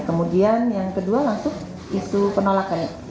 kemudian yang kedua langsung isu penolakan